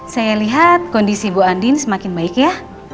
saya lihat kondisi bu andin semakin baik ya